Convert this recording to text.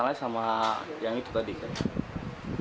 kenalnya sama yang itu tadi kayaknya